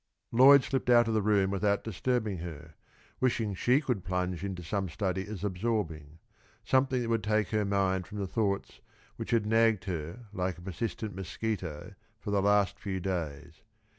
Lloyd slipped out of the room without disturbing her, wishing she could plunge into some study as absorbing, something that would take her mind from the thoughts which had nagged her like a persistent mosquito for the last few days.